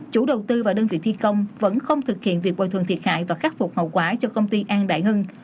chủ đầu tư và đơn vị thi công vẫn không thực hiện việc bồi thường thiệt hại và khắc phục hậu quả cho công ty an đại hưng